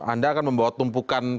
anda akan membawa tumpukan